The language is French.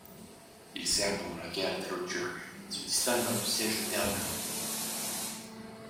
Il sert pendant la guerre italo-turque et se distingue lors du siège de Derna.